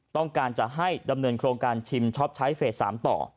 ต้องการจะให้ดำเนินโครงการชิมช็อปใช้เฟส๓ต่อ